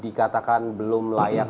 dikatakan belum layak